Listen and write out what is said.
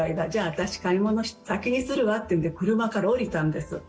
私、買い物先にするわっていうので車から降りたんです。